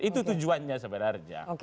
itu tujuannya sebenarnya